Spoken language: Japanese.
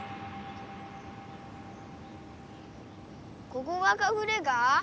ここがかくれが？